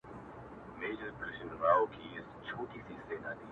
اوس په پوهېږمه زه اوس انسان شناس يمه